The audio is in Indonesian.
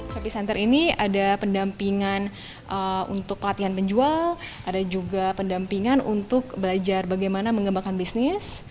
sapi center ini ada pendampingan untuk pelatihan penjual ada juga pendampingan untuk belajar bagaimana mengembangkan bisnis